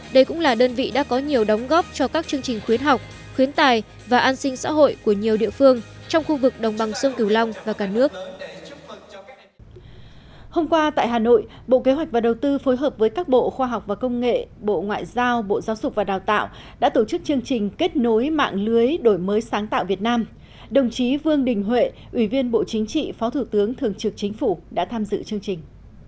đồng chí vương đình huệ ủy viên bộ chính trị phó thủ tướng thường trực chính phủ đã tham dự chương trình